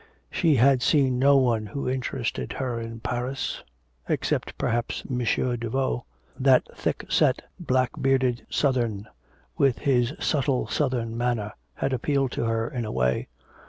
She had seen no one who interested her in Paris, except perhaps M. Daveau. That thick set, black bearded southern, with his subtle southern manner, had appealed to her, in a way.